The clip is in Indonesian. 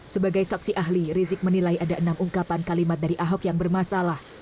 sebagai saksi ahli rizik menilai ada enam ungkapan kalimat dari ahok yang bermasalah